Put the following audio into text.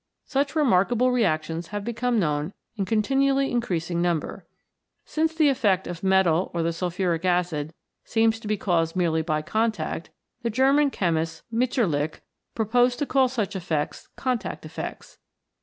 Such remarkable reactions have become known in continually increasing number. Since the effect of the metal or the sulphuric acid seems to be caused merely by contact, the German chemist Mitscher lich proposed to call such effects Contact Effects.